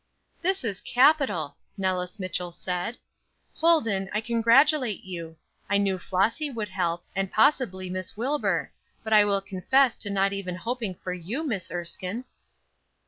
"This is capital!" Nellis Mitchell said. "Holden, I congratulate you. I knew Flossy would help, and possibly Miss Wilbur; but I will confess to not even hoping for you, Miss Erskine."